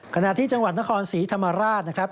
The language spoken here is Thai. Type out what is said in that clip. ขณะที่จังหวัดนครศรีธรรมราชนะครับ